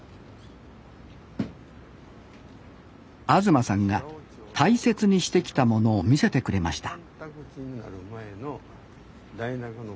東さんが大切にしてきたものを見せてくれました